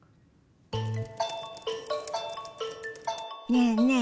ねえねえ